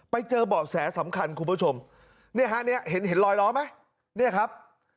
ไปเจอบ่อแสสำคัญคุณผู้ชมนี่ฮะนี่เห็นรอยร้อนไหมนี่ครับ